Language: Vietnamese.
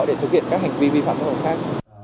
để thực hiện các hành vi vi phạm các hành vi khác